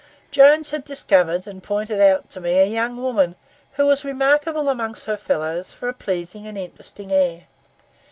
Jones had discovered and pointed out to me a young woman who was remarkable among her fellows for a pleasing and interesting air.